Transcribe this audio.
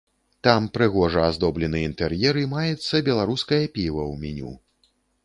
Там прыгожа аздоблены інтэр'ер і маецца беларускае піва ў меню.